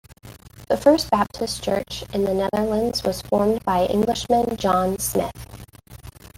The first Baptist church in the Netherlands was formed by Englishman John Smyth.